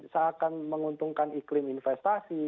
seakan menguntungkan iklim investasi